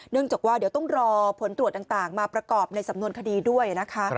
จากว่าเดี๋ยวต้องรอผลตรวจต่างมาประกอบในสำนวนคดีด้วยนะคะ